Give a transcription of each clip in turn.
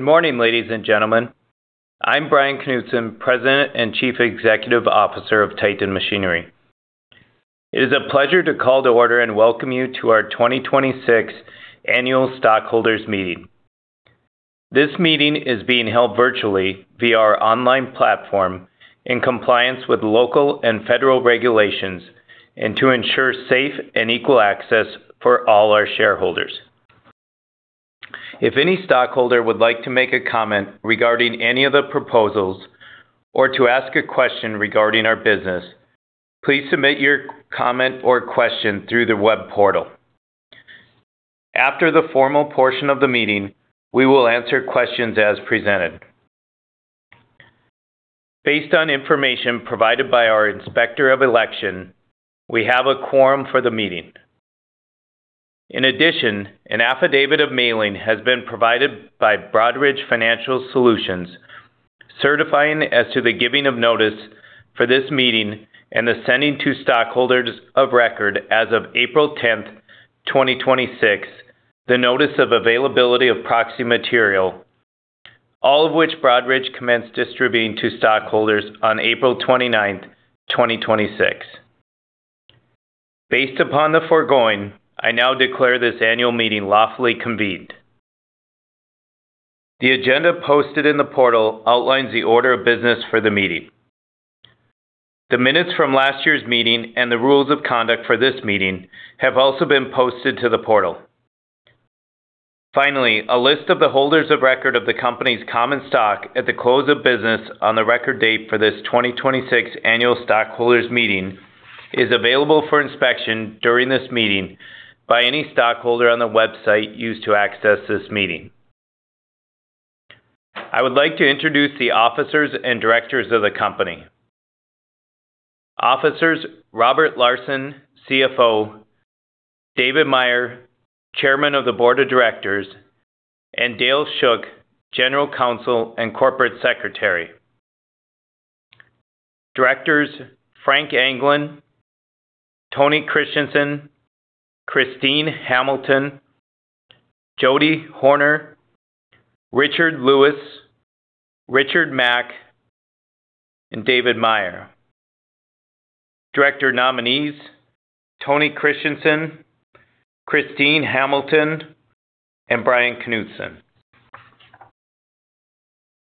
Good morning, ladies and gentlemen. I'm Bryan Knutson, President and Chief Executive Officer of Titan Machinery. It is a pleasure to call to order and welcome you to our 2026 Annual Stockholders Meeting. This meeting is being held virtually via our online platform in compliance with local and federal regulations and to ensure safe and equal access for all our shareholders. If any stockholder would like to make a comment regarding any of the proposals or to ask a question regarding our business, please submit your comment or question through the web portal. After the formal portion of the meeting, we will answer questions as presented. Based on information provided by our Inspector of Election, we have a quorum for the meeting. In addition, an affidavit of mailing has been provided by Broadridge Financial Solutions, certifying as to the giving of notice for this meeting and the sending to stockholders of record as of April 10th, 2026, the notice of availability of proxy material, all of which Broadridge commenced distributing to stockholders on April 29th, 2026. Based upon the foregoing, I now declare this annual meeting lawfully convened. The agenda posted in the portal outlines the order of business for the meeting. The minutes from last year's meeting and the rules of conduct for this meeting have also been posted to the portal. Finally, a list of the holders of record of the company's common stock at the close of business on the record date for this 2026 Annual Stockholders Meeting is available for inspection during this meeting by any stockholder on the website used to access this meeting. I would like to introduce the officers and directors of the company. Officers, Robert Larsen, CFO, David Meyer, Chairman of the Board of Directors, and Dale Shook, General Counsel and Corporate Secretary. Directors, Frank Anglin, Tony Christianson, Christine Hamilton, Jody Horner, Richard Lewis, Richard Mack, and David Meyer. Director nominees, Tony Christianson, Christine Hamilton, and Bryan Knutson.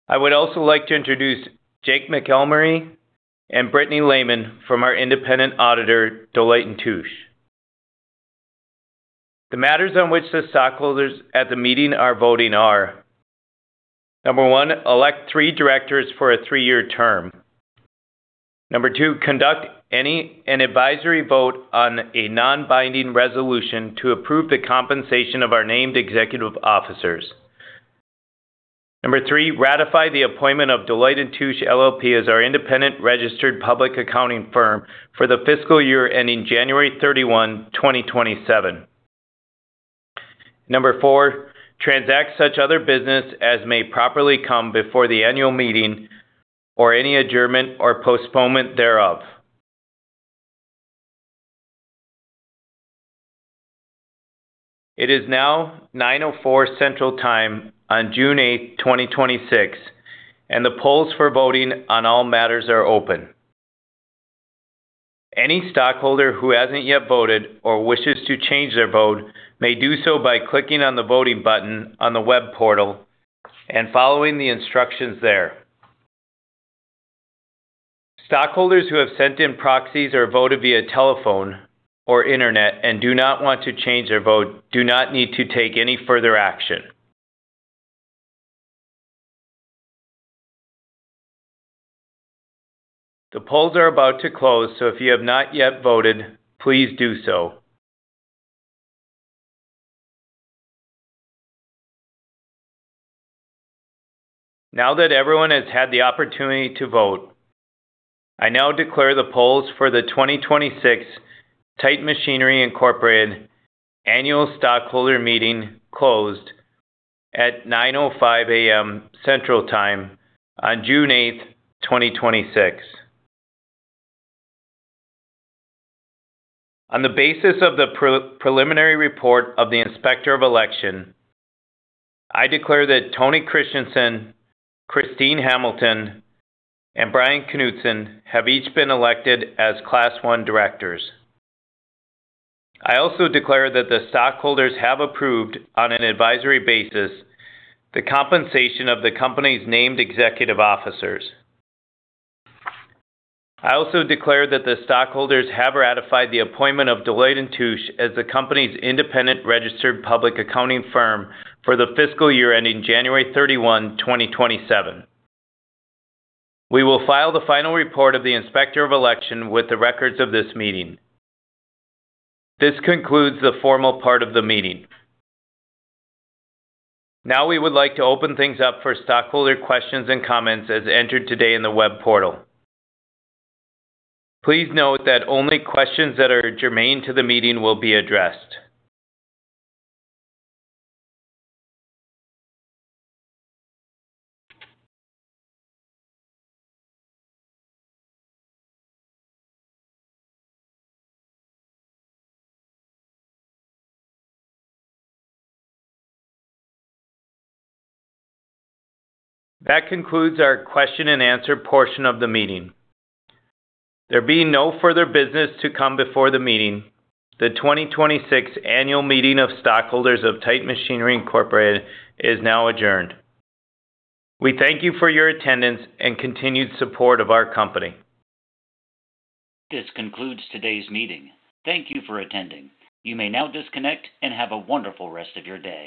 I would also like to introduce Jake McElmury and Brittany Lehman from our independent auditor, Deloitte & Touche. The matters on which the stockholders at the meeting are voting are, Number one, elect three directors for a three-year term. Number two, conduct an advisory vote on a non-binding resolution to approve the compensation of our named executive officers. Number three, ratify the appointment of Deloitte & Touche LLP as our independent registered public accounting firm for the fiscal year ending January 31, 2027. Number four, transact such other business as may properly come before the annual meeting or any adjournment or postponement thereof. It is now 9:04 A.M. Central Time on June 8, 2026, and the polls for voting on all matters are open. Any stockholder who hasn't yet voted or wishes to change their vote may do so by clicking on the voting button on the web portal and following the instructions there. Stockholders who have sent in proxies or voted via telephone or internet and do not want to change their vote do not need to take any further action. The polls are about to close, so if you have not yet voted, please do so. Now that everyone has had the opportunity to vote, I now declare the polls for the 2026 Titan Machinery Incorporated Annual Stockholder Meeting closed at 9:05 A.M., Central Time on June 8th, 2026. On the basis of the preliminary report of the Inspector of Election, I declare that Tony Christianson, Christine Hamilton, and Bryan Knutson have each been elected as Class I directors. I also declare that the stockholders have approved, on an advisory basis, the compensation of the company's named executive officers. I also declare that the stockholders have ratified the appointment of Deloitte & Touche as the company's independent registered public accounting firm for the fiscal year ending January 31, 2027. We will file the final report of the Inspector of Election with the records of this meeting. This concludes the formal part of the meeting. We would like to open things up for stockholder questions and comments as entered today in the web portal. Please note that only questions that are germane to the meeting will be addressed. That concludes our question and answer portion of the meeting. There being no further business to come before the meeting, the 2026 Annual Meeting of Stockholders of Titan Machinery Incorporated is now adjourned. We thank you for your attendance and continued support of our company. This concludes today's meeting. Thank you for attending. You may now disconnect and have a wonderful rest of your day.